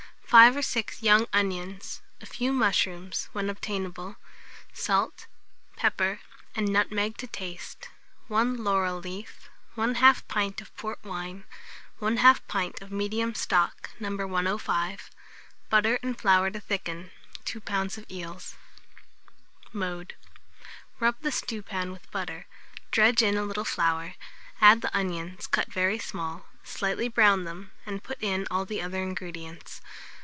5 or 6 young onions, a few mushrooms, when obtainable; salt, pepper, and nutmeg to taste; 1 laurel leaf, 1/2 pint of port wine, 1/2 pint of medium stock, No. 105; butter and flour to thicken; 2 lbs. of eels. Mode. Rub the stewpan with butter, dredge in a little flour, add the onions cut very small, slightly brown them, and put in all the other ingredients.